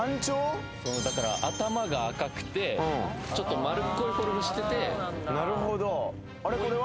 だから頭が赤くてちょっと丸っこいフォルムしててなるほどあれこれは？